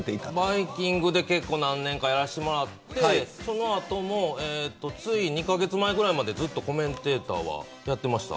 バイキングで結構何年かやらせてもらってその後も、２カ月前ぐらいまでコメンテーターはやってました。